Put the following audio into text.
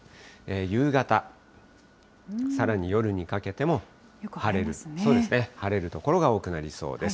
夕方、さらに夜にかけても晴れる所が多くなりそうです。